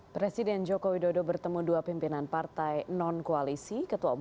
presiden jokowi dodo bertemu dua pimpinan partai non koalisi